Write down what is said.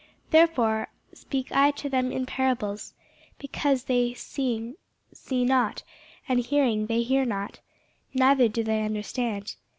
Therefore speak I to them in parables: because they seeing see not; and hearing they hear not, neither do they understand.